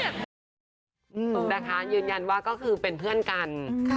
นะคะยืนยันว่าก็คือเป็นเพื่อนกัน